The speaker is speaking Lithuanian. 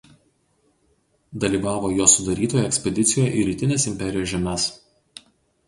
Dalyvavo jo sudarytoje ekspedicijoje į rytines imperijos žemes.